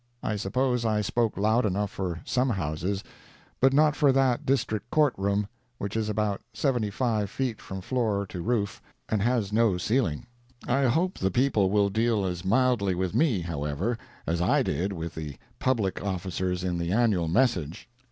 I suppose I spoke loud enough for some houses, but not for that District Court room, which is about seventy five feet from floor to roof, and has no ceiling. I hope the people will deal as mildly with me, however, as I did with the public officers in the annual message.